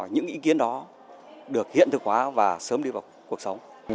những ý kiến đó được hiện thực hóa và sớm đi vào cuộc sống